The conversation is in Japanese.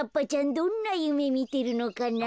どんなゆめみてるのかな？